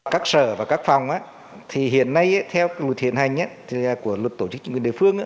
các sở và các phòng thì hiện nay theo luật hiện hành của luật tổ chức chính quyền địa phương